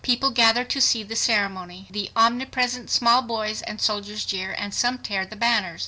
People gather to see the ceremony. The omnipresent small boys and soldiers jeer, and some tear the banners.